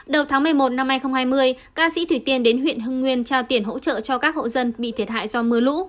đầu tháng một mươi một năm hai nghìn hai mươi ca sĩ thủy tiên đến huyện hưng nguyên trao tiền hỗ trợ cho các hộ dân bị thiệt hại do mưa lũ